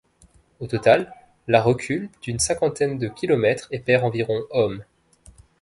Au total, la recule d'une cinquantaine de km et perd environ hommes.